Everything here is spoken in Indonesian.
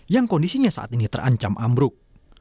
yang kondisinya saat ini terancam ambruk